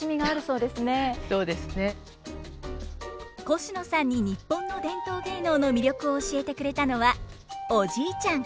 コシノさんに日本の伝統芸能の魅力を教えてくれたのはおじいちゃん！